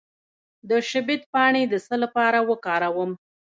د شبت پاڼې د څه لپاره وکاروم؟